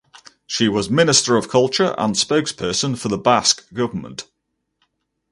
She was Minister of Culture and spokesperson for the Basque Government.